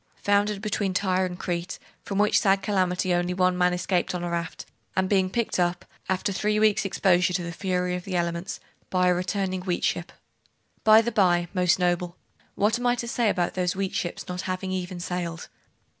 'Foundered between Tyre and Crete, from which sad calamity only one man escaped on a raft, and being picked tip, after three weeks' exposure to the fury of the elements, by a returning wheat ship By the bye, most noble, what am I to say about those wheat ships not having even sailed?